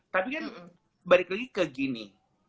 tapi kan balik lagi ke gini